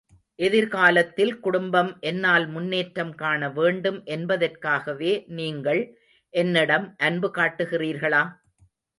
எதிர்காலத்தில் குடும்பம் என்னால் முன்னேற்றம் காண வேண்டும் என்பதற்காகவே, நீங்கள் என்னிடம் அன்பு காட்டுகிறீர்களா?